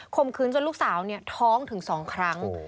คืนจนลูกสาวท้องถึง๒ครั้ง